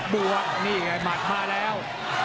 บัวนี่ไงมัดมาแล้ว